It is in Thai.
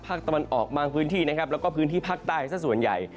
ตะวันออกบางพื้นที่นะครับแล้วก็พื้นที่ภาคใต้สักส่วนใหญ่